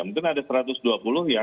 mungkin ada satu ratus dua puluh yang sudah